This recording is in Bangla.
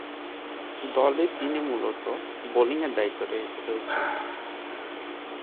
দলে তিনি মূলতঃ বোলিংয়ের দায়িত্বে রয়েছেন।